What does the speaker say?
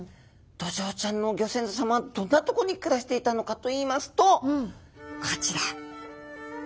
ドジョウちゃんのギョ先祖さまはどんなとこに暮らしていたのかといいますとこちら。